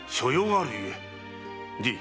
じい。